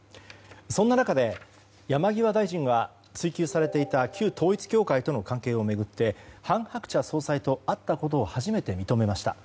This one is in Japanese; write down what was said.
そんな中で山際大臣が追及されていた旧統一教会との関係を巡って韓鶴子総裁と会ったことを初めて認めました。